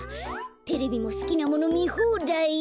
テレビもすきなものみほうだい。